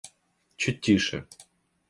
Чуть тише